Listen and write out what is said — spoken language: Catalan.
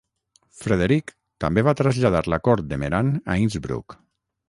Frederic també va traslladar la cort de Meran a Innsbruck.